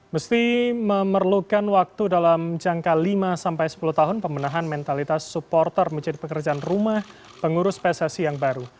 mesti memerlukan waktu dalam jangka lima sampai sepuluh tahun pemenahan mentalitas supporter menjadi pekerjaan rumah pengurus pssi yang baru